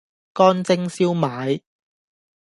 乾蒸燒賣